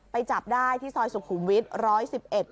จับได้ที่ซอยสุขุมวิทย์ร้อยสิบเอ็ด